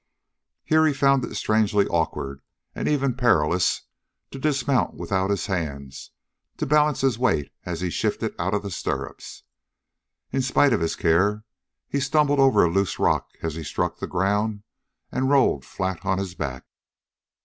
Here he found it strangely awkward and even perilous to dismount without his hands to balance his weight, as he shifted out of the stirrups. In spite of his care, he stumbled over a loose rock as he struck the ground and rolled flat on his back.